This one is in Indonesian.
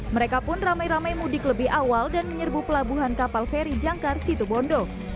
mereka pun ramai ramai mudik lebih awal dan menyerbu pelabuhan kapal feri jangkar situbondo